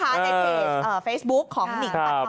แถมมีสรุปอีกต่างหาก